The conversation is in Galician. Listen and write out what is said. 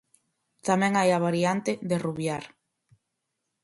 Tamén hai a variante "derrubiar".